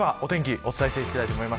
お伝えしていきます。